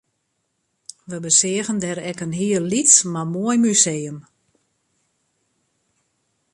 Wy beseagen dêr ek in hiel lyts mar moai museum